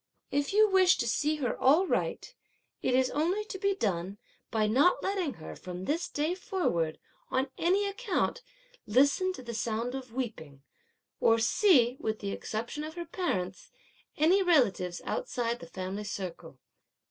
If you wish to see her all right, it is only to be done by not letting her, from this day forward, on any account, listen to the sound of weeping, or see, with the exception of her parents, any relatives outside the family circle.